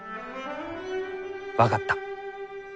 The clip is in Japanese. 分かった。